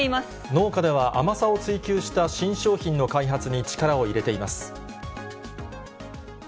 農家では甘さを追求した新商品の開発に力を入れています。